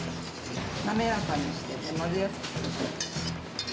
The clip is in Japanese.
滑らかにして混ぜやすくする。